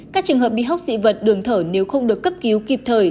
các trường hợp bị hốc dị vật đường thở nếu không được cấp cứu kịp thời